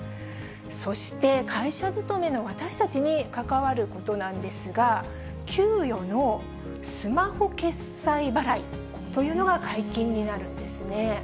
そして、会社勤めの私たちに関わることなんですが、給与のスマホ決済払いというのが解禁になるんですね。